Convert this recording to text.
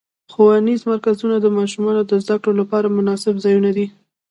ښوونیز مرکزونه د ماشومانو د زدهکړو لپاره مناسب ځایونه دي.